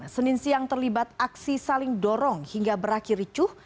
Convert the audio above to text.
senin siang terlibat aksi saling dorong hingga berakhir ricuh